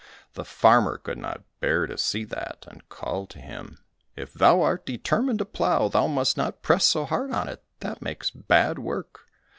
The farmer could not bear to see that, and called to him, "If thou art determined to plough, thou must not press so hard on it, that makes bad work."